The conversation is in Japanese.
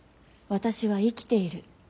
私は生きている。